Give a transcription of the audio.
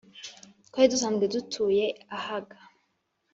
twari dusanzwe dutuye ahaga